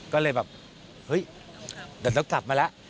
ก็เลยแบบเฮ้ยแต่ต้องกลับมาแล้ว